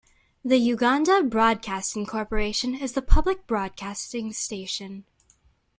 The Uganda Broadcasting Corporation is the public broadcasting station.